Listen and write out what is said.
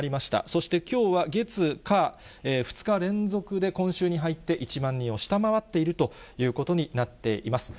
そしてきょうは、月、火、２日連続で今週に入って１万人を下回っているということになっています。